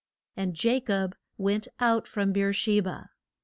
And Ja cob went out from Beer she ba.